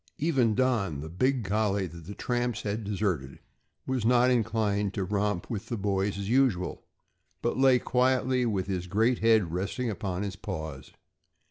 Even Don, the big collie, that the tramps had deserted, was not inclined to romp with the boys as usual, but lay quietly with his great head resting upon his paws.